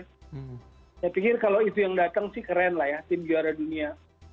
saya pikir kalau itu yang datang sih keren lah ya tim juara dunia